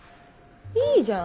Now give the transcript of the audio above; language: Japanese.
いいじゃん？